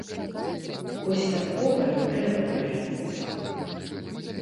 Вось такога і трэба баяцца.